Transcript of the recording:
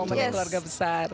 mempelai keluarga besar